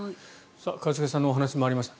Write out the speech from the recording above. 一茂さんのお話にもありました